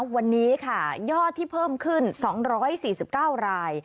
วันนี้ค่ะยอดที่เพิ่มขึ้น๒๔๙ราย